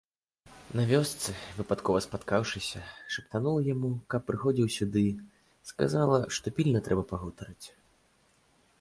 На вёсцы, выпадкова спаткаўшыся, шапатнула яму, каб прыходзіў сюды, сказала, што пільна трэба пагутарыць.